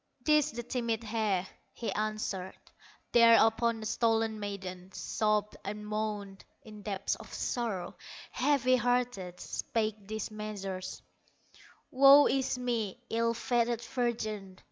"'Tis the timid hare", he answered. Thereupon the stolen maiden Sobbed, and moaned, in deeps of sorrow, Heavy hearted, spake these measures: "Woe is me, ill fated virgin!